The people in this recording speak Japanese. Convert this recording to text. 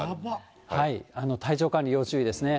体調管理要注意ですね。